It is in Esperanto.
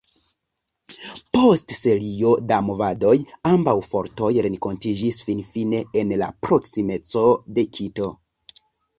Post serio da movadoj, ambaŭ fortoj renkontiĝis finfine en la proksimeco de Kito.